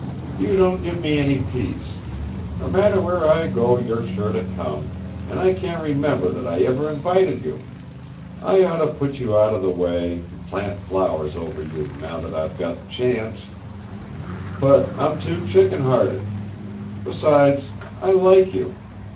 "You don't give me any peace. No matter where I go you're sure to come, and I can't remember that I ever invited you. I oughta put you out of the way, and plant flowers over you, now that I've got the chance. But I'm too chicken hearted. Besides, I like you.